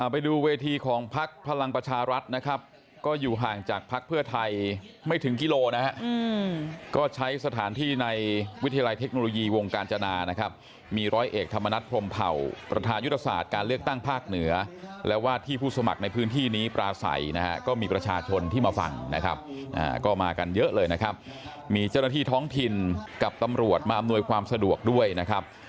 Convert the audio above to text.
ไปดูเวทีของภักดิ์พลังประชารัฐนะครับก็อยู่ห่างจากภักดิ์เพื่อไทยไม่ถึงกิโลนะก็ใช้สถานที่ในวิทยาลัยเทคโนโลยีวงการจนานะครับมีร้อยเอกธรรมนัฐพรมเผ่าประธายุทธศาสตร์การเลือกตั้งภาคเหนือและว่าที่ผู้สมัครในพื้นที่นี้ปราศัยนะก็มีประชาชนที่มาฟังนะครับก็มากันเยอะเลยนะครับ